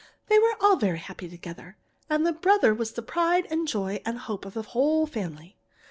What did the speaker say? They were all very happy together, and the brother was the pride and joy and hope of the whole family.